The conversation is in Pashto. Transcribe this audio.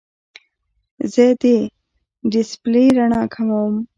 زه د ډیسپلې رڼا کموم.